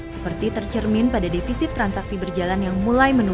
seperti tercermin pada defisit transaksi berjalan yang mulai menurun